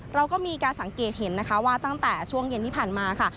เราก็มีการสังเกตเห็นนะคะว่าตั้งแต่ช่วงเย็นที่ผ่านมาค่ะ